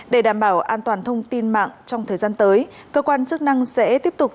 để đảm bảo an toàn thông tin mạng trong thời gian tới cơ quan chức năng sẽ tiếp tục